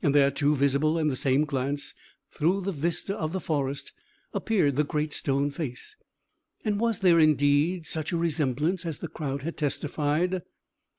And there, too, visible in the same glance, through the vista of the forest, appeared the Great Stone Face! And was there, indeed, such a resemblance as the crowd had testified?